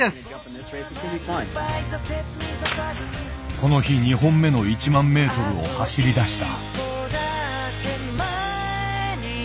この日２本目の１万メートルを走りだした。